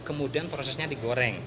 kemudian prosesnya digoreng